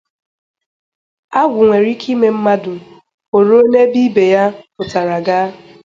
Agwụ nwere ike ime mmadụ o ruo n'ebe ibè ya pụtara gaa